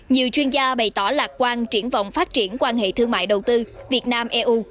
nhiều chuyên gia bày tỏ lạc quan triển vọng phát triển quan hệ thương mại đầu tư việt nam eu